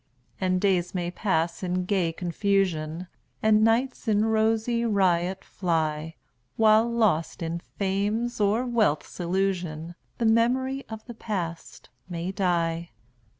And days may pass in gay confusion, And nights in rosy riot fly, While, lost in Fame's or Wealth's illusion, The memory of the Past may die.